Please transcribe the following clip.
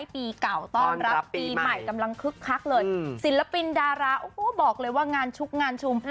ปีเก่าต้อนรับปีใหม่กำลังคึกคักเลยศิลปินดาราโอ้โหบอกเลยว่างานชุกงานชุม